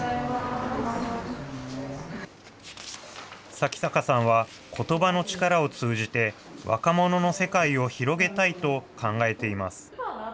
向坂さんは、ことばの力を通じて若者の世界を広げたいと考えています。